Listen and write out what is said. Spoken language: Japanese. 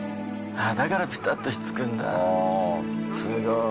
だからピタッとひっつくんだすごい。